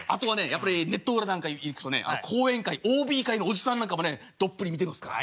やっぱりネット裏なんかに行くとね後援会ＯＢ会のおじさんなんかもねどっぷり見てますから。